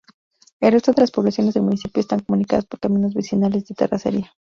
El resto de las poblaciones del municipio están comunicadas por caminos vecinales de terracería.